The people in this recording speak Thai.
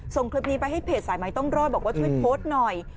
ส่งคลิปนี้ไปให้เพจสายใหม่ต้องรอดบอกว่าช่วยโพสต์หน่อย